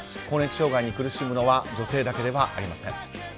更年期障害に苦しむのは女性だけではありません。